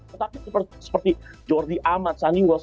tetapi seperti jordi amat sunny wolf